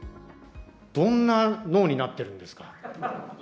どんな脳になってるんですか。